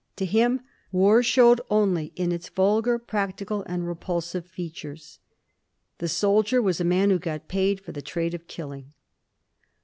To him war «howed only in its vulgar, practical, and repulsive features ; the soldier was a man who got paid for the trade of killing.